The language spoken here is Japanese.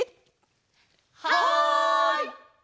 はい！